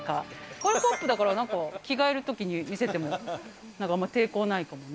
これポップだから、着替えるときに見せてもあんまり抵抗ないかもね。